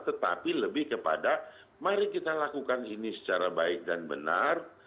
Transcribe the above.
tetapi lebih kepada mari kita lakukan ini secara baik dan benar